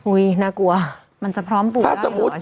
อุ้ยน่ากลัวมันจะพร้อมปุ๋ยได้หรอใช่ไหม